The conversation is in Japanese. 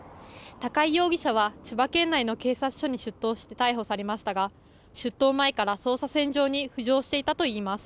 高井容疑者は千葉県内の警察署に出頭して逮捕されましたが出頭前から捜査線上に浮上していたといいます。